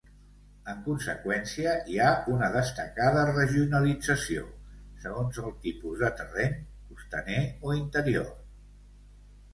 En conseqüència, hi ha una destacada regionalització segons el tipus de terreny, costaner o interior.